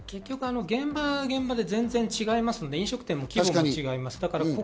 現場、現場で全然違いますので、飲食店の規模も違います。